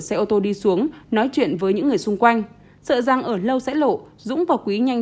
xe ô tô đi xuống nói chuyện với những người xung quanh sợ rằng ở lâu sẽ lộ dũng và quý nhanh